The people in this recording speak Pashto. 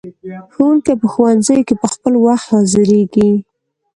ښوونکي په ښوونځیو کې په خپل وخت حاضریږي.